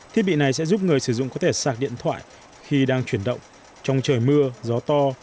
thiết bị này sẽ giúp người sử dụng có thể sạc điện thoại khi đang chuyển động trong trời mưa gió to